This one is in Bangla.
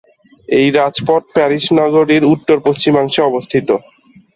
এই রাজপথ প্যারিস নগরীর উত্তর-পশ্চিমাংশে অবস্থিত।